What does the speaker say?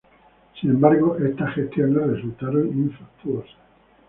Sin embargo, estas gestiones resultaron infructuosas.